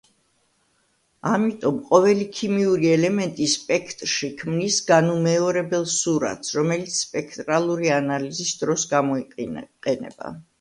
ამიტომ ყოველი ქიმიური ელემენტი სპექტრში ქმნის განუმეორებელ სურათს, რომელიც სპექტრალური ანალიზის დროს გამოიყენება.